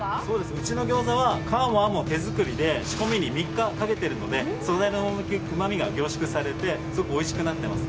うちの餃子は皮もあんも手作りで仕込みに３日かけてるので、素材のうまみが凝縮されて、すごくおいしくなってます。